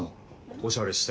おしゃれして。